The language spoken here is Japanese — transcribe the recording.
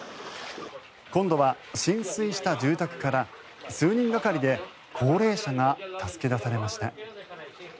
今度は浸水した住宅から数人がかりで高齢者が助け出されました。